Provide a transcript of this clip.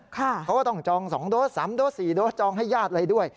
เขาก็ต้องจอง๒โดส๓โดส๔โดสจองให้ญาติอะไรด้วย